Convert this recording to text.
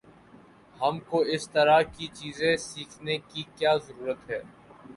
ہم کو اس طرح کی چیزیں سیکھنے کی کیا ضرورت ہے؟